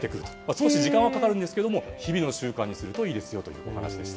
少し時間がかかりますが日々の習慣にするといいですよというお話でした。